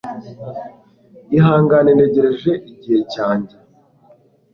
Ihangane ntegereje igihe cyanjye